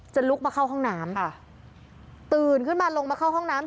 ลุกมาเข้าห้องน้ำค่ะตื่นขึ้นมาลงมาเข้าห้องน้ำ